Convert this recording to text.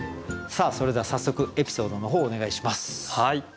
それでは早速エピソードの方お願いします。